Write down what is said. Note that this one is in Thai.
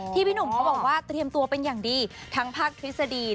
พี่หนุ่มเขาบอกว่าเตรียมตัวเป็นอย่างดีทั้งภาคทฤษฎี